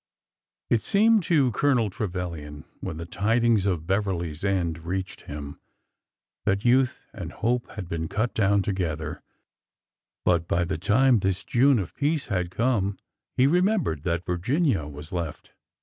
It seemed to Colonel Trevilian, when the tidings of Beverly's end reached him, that youth and hope had been cut down together, but by the time this June of peace had come he remembered that Virginia was left.